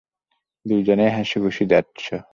দুজনই হাসিখুশি যাচ্ছ।